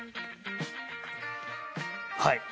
はい。